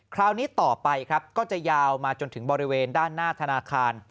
คราวนี้ต่อไปครับก็จะยาวมาจนถึงบริเวณด้านหน้าธนาคาร